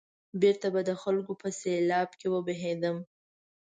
بېرته به د خلکو په سېلاب کې وبهېدم.